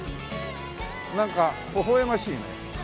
なんかほほ笑ましいね。